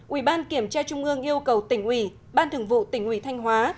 ubktq yêu cầu tỉnh ủy ban thường vụ tỉnh ủy thanh hóa